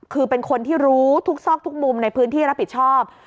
คือเป็นคนที่รู้ทุกซอกทุกมุมในพื้นที่รับผิดชอบ